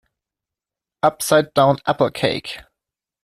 Upside down apple cake.